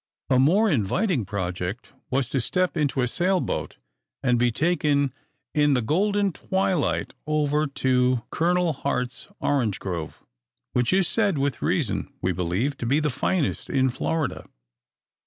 A more inviting project was to step into a sail boat, and be taken in the golden twilight over to Col. Harte's orange grove, which is said with reason, we believe to be the finest in Florida.